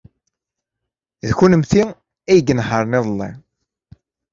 D kennemti ay inehṛen iḍelli.